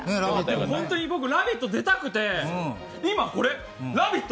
本当に僕、「ラヴィット！」出たくて今、これ「ラヴィット！」